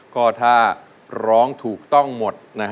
ก็ถ้าร้องถูกต้องหมด